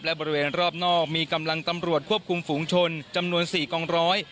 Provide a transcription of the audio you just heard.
และบริเวณรอบนอกมีกำลังตำรวจควบคุมฝูงชนจำนวน๔กองร้อย